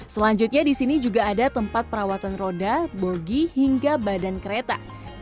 selanjutnya di sini juga ada tempat perawatan roda bogi hingga badan kereta